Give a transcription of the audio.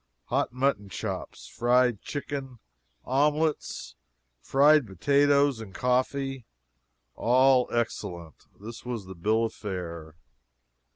Hot mutton chops, fried chicken, omelettes, fried potatoes and coffee all excellent. This was the bill of fare.